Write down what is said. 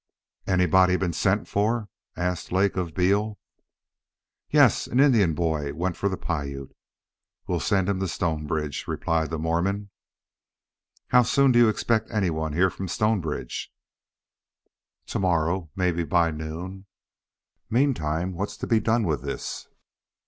"Anybody been sent for?" asked Lake of Beal. "Yes. An Indian boy went for the Piute. We'll send him to Stonebridge," replied the Mormon. "How soon do you expect any one here from Stonebridge?" "To morrow, mebbe by noon." "Meantime what's to be done with this?"